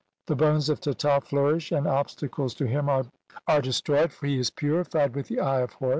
The "bones of Teta flourish and obstacles to him are de stroyed, for he is purified with the Eye of Horus.